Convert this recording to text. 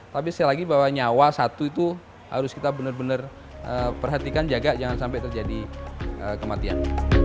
tapi sekali lagi bahwa nyawa satu itu harus kita benar benar perhatikan jaga jangan sampai terjadi kematian